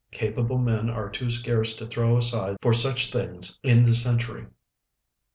Capable men are too scarce to throw aside for such things in this century.